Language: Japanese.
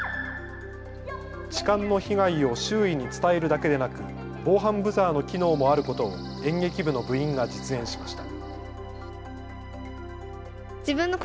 痴漢の被害を周囲に伝えるだけでなく防犯ブザーの機能もあることを演劇部の部員が実演しました。